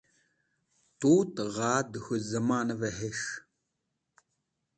Tut gha dẽ k̃hũ zẽmanvẽ hes̃h.